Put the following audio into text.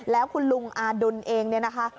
แล้วคุณลุงอาดุลเองเนี่ยนะคะ